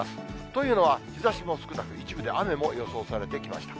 というのは、日ざしも少なく、一部で雨も予想されてきました。